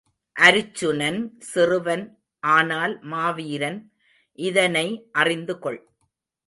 அருச்சுனன் சிறுவன் ஆனால் மாவீரன் இதனை அறிந்துகொள்.